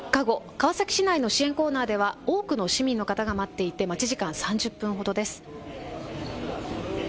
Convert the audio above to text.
川崎市内の支援コーナーでは多くの市民の方が待っていて待ち時間３０分ほどです。